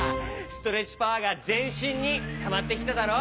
ストレッチパワーがぜんしんにたまってきただろ？